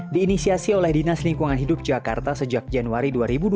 diinisiasi oleh dinas lingkungan hidup jakarta sejak januari dua ribu dua puluh